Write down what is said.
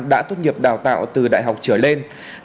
đã tốt nghiệp đào tạo từ đại học trở lên